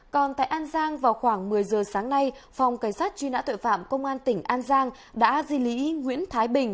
còn tại an giang vào khoảng một mươi giờ sáng nay phòng cảnh sát truy nã tội phạm công an tỉnh an giang đã di lý nguyễn thái bình